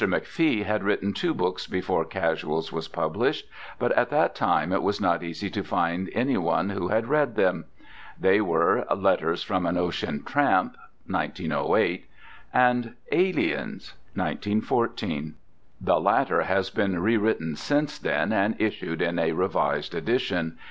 McFee had written two books before "Casuals" was published, but at that time it was not easy to find any one who had read them. They were Letters from an Ocean Tramp (1908) and Aliens (1914); the latter has been rewritten since then and issued in a revised edition.